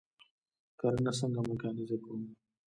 کرنه څنګه میکانیزه کړو؟